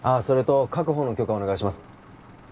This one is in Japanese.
それと確保の許可お願いします